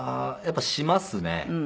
やっぱりしますね。